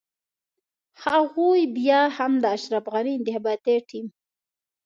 هغوی بيا هم د اشرف غني انتخاباتي ټيم.